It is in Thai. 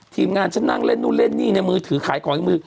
ทีมงานฉันนั่งเล่นนู่นเล่นนี่ในมือถือขายของในมือ